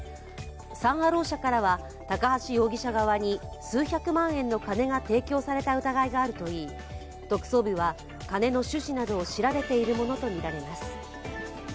サン・アロー社からは、高橋容疑者側に数百万円の金が提供された疑いがあるといい、特捜部は金の趣旨などを調べているものとみられます。